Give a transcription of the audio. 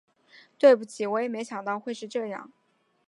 对不起，我也没想到会是这样